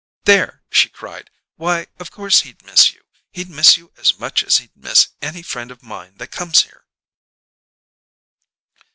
"There!" she cried. "Why, of course he'd miss you he'd miss you as much as he'd miss any friend of mine that comes here."